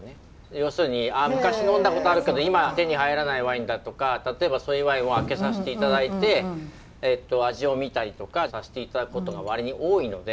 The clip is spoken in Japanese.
要するに昔飲んだことあるけど今は手に入らないワインだとか例えばそういうワインを開けさせて頂いて味を見たりとかさせて頂くことが割に多いので。